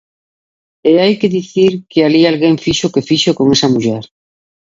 E hai que dicir que alí alguén fixo o que fixo con esta muller.